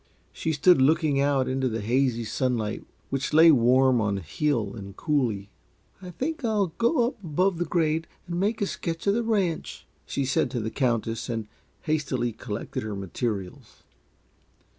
She stood looking out into the hazy sunlight which lay warm on hill and coulee. "I think I'll go up above the grade and make a sketch of the ranch," she said to the Countess, and hastily collected her materials.